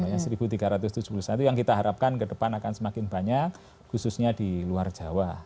yang satu tiga ratus tujuh puluh satu yang kita harapkan ke depan akan semakin banyak khususnya di luar jawa